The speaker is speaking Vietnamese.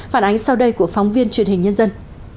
phản ánh sau đây của phóng viên truyền hình nhân dân